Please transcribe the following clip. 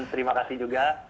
terima kasih juga